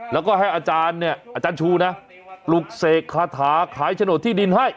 แล้วก็ให้อาจารย์ชูนะลุกเสกคาถาขายฉโนตที่ดินให้